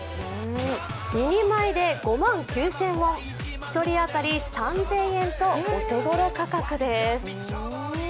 ２人前で５万９０００ウォン１人当たりたった３０００円とお手頃価格。